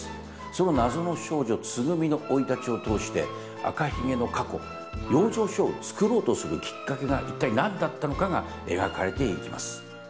その謎の少女つぐみの生い立ちを通して赤ひげの過去養生所をつくろうとするきっかけが一体何だったのかが描かれていきます。